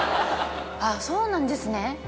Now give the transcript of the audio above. あっそうなんですね